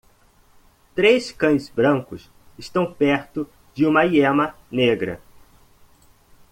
Três cães brancos estão perto de uma lhama negra.